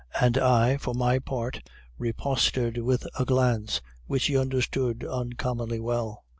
And I, for my part, riposted with a glance, which he understood uncommonly well.